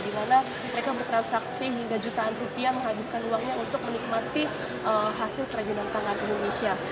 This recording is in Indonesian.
di mana mereka bertransaksi hingga jutaan rupiah menghabiskan uangnya untuk menikmati hasil kerajinan tangan indonesia